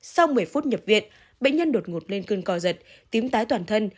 sau một mươi phút nhập viện bệnh nhân đột ngột lên cơn co giật tím tái toàn thân